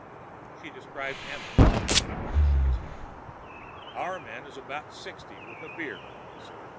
She described Amenth and Vogel shook his head. "Our man is about sixty, with a beard," he said.